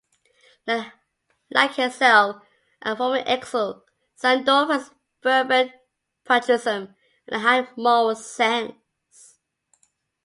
Like Hetzel, a former exile, Sandorf has fervent patriotism and a high moral sense.